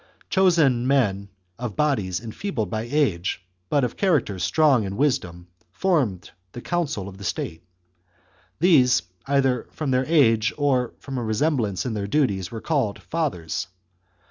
Chosen men, of bodies en feebled by age, but of characters strong in wisdom, formed the council of the state. These, either from their age or from a resemblance in their duties, were called "Fathers."